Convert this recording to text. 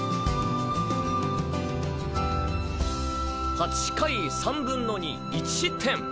８回３分の２１失点！